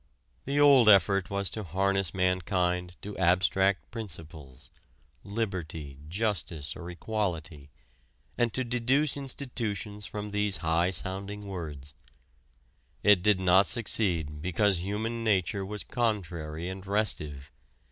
The old effort was to harness mankind to abstract principles liberty, justice or equality and to deduce institutions from these high sounding words. It did not succeed because human nature was contrary and restive.